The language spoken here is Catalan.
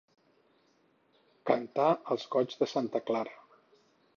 Cantar els goigs de santa Clara.